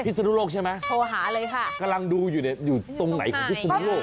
พิษธุโรคใช่ไหมโทรหาเลยค่ะกำลังดูอยู่ในอยู่ตรงไหนของคุณคุณโลก